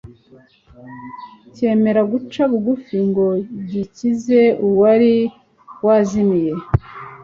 cyemera guca bugufi ngo gikize uwari wazimiye.